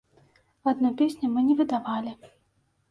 Адну песню мы не выдавалі.